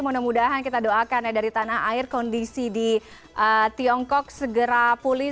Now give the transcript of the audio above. mudah mudahan kita doakan ya dari tanah air kondisi di tiongkok segera pulih